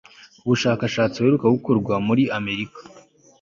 ubushakashatsi buherutse gukorwa muri amerika